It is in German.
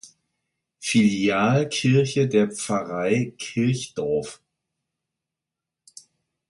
Filialkirche der Pfarrei Kirchdorf.